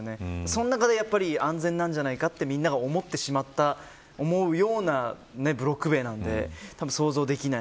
その中で安全じゃないかとみんなが思ってしまった思うようなブロック塀なのでたぶん想像できない。